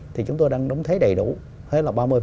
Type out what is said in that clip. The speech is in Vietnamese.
thì chúng tôi đang đóng thế đầy đủ thế là